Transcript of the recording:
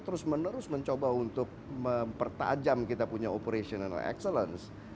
terus menerus mencoba untuk mempertajam kita punya operational excellence